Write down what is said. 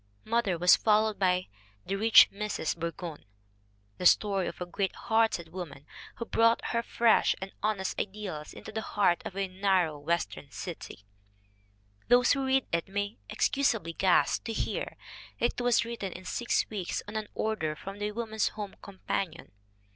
Mother was followed by The Rich Mrs. Burgoyne, the story of a great hearted woman who brought her fresh and honest ideals into the heart of a narrow 76 THE WOMEN WHO MAKE OUR NOVELS Western city. Those who read it may excusably gasp to hear that it was written in six weeks on an order from the Woman's Home Companion.